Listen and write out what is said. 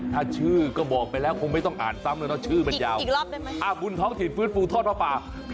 ถ้าชื่อก็มองไปแล้วคงไม่ต้องอ่านซ้ำชื่อมันยาว